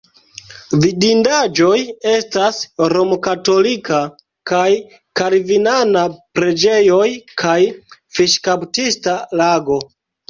Vidindaĵoj estas romkatolika kaj kalvinana preĝejoj kaj fiŝkaptista lago.